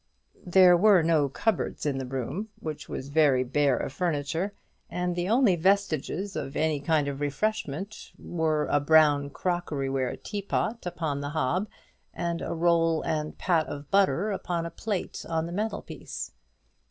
There were no cupboards in the room, which was very bare of furniture, and the only vestiges of any kind of refreshment were a brown crockery ware teapot upon the hob, and a roll and pat of butter upon a plate on the mantel piece.